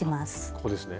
ここですね。